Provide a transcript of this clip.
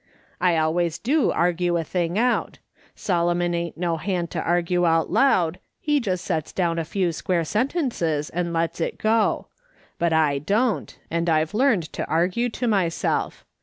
" I always do argue a thing out. Solomon ain't no hand to argue out loud; he just sets down u few square sentences, and lets it go ; but I don't, and I've learned to argue to myself.